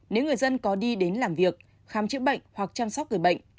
nếu người dân có đi đến làm việc khám chữa bệnh hoặc chăm sóc người bệnh